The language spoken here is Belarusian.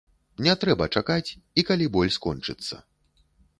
Не трэба чакаць, і калі боль скончыцца.